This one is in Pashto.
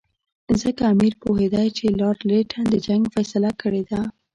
ځکه امیر پوهېدی چې لارډ لیټن د جنګ فیصله کړې ده.